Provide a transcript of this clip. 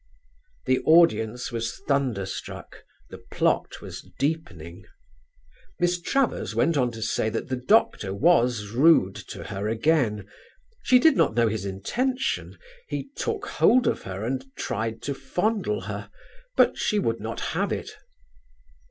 The audience was thunderstruck; the plot was deepening. Miss Travers went on to say that the Doctor was rude to her again; she did not know his intention; he took hold of her and tried to fondle her; but she would not have it.